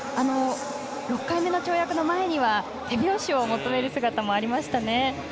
６回目の跳躍前に手拍子を求める姿もありましたね。